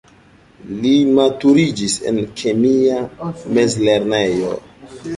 Li maturiĝis en kemia mezlernejo.